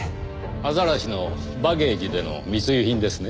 アザラシのバゲージでの密輸品ですね。